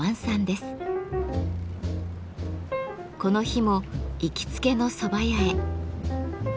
この日も行きつけの蕎麦屋へ。